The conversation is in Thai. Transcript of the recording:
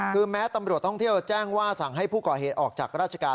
คือแม้ตำรวจท่องเที่ยวแจ้งว่าสั่งให้ผู้ก่อเหตุออกจากราชการ